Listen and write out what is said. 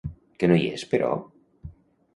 Què no hi és, però?